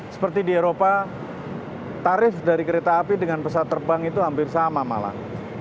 seperti di eropa tarif dari kereta api dengan pesawat terbang itu hampir sama malah